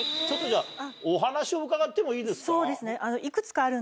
ちょっとお話を伺ってもいいですか？